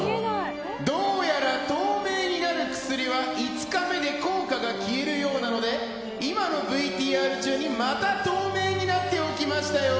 どうやら透明になる薬は５日目で効果が消えるようなので今のＶＴＲ中にまた透明になっておきましたよ。